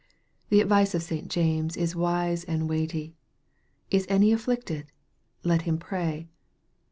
The advice of St. James is wise and weighty :" Is any afflicted ? Let him pray."